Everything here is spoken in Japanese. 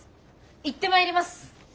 行ってまいります。